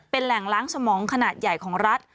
เป็นแหล่งล้างสมองขนาดใหญ่ของรัฐ